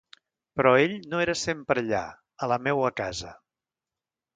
Però ell no era sempre allà, a la meua casa.